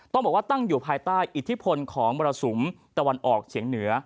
ต้องบอกว่าตั้งอยู่ภายใต้อิทธิพลของมรสุมตะวันออกเฉียงเหนือ